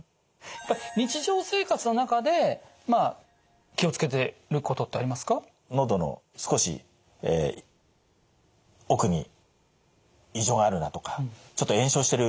日常生活の中でまあ気を付けてることってありますか？のどの少し奥に異常があるなとかちょっと炎症してる。